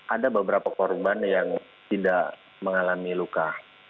ada beberapa korban yang tidak mengalami luka